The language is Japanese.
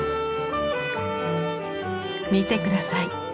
見て下さい。